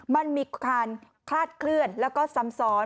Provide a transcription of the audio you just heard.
มันมีการคลาดเคลื่อนแล้วก็ซ้ำซ้อน